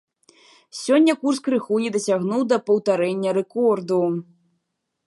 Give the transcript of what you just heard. Сёння курс крыху не дацягнуў да паўтарэння рэкорду.